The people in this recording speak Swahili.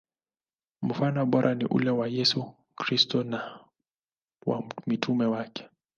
Mfano bora ni ule wa Yesu Kristo na wa mitume wake.